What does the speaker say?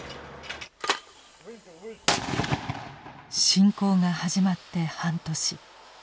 侵攻が始まって半年。